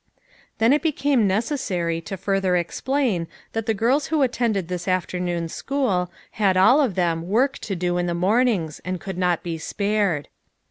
Then it became necessary to further explain that the girls who attended this afternoon school, had all of them work to do in the mornings, and could not be spared.